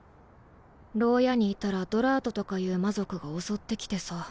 牢屋にいたらドラートとかいう魔族が襲ってきてさ。